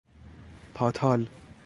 پاتال